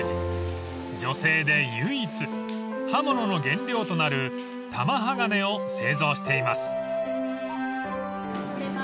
［女性で唯一刃物の原料となる玉鋼を製造しています］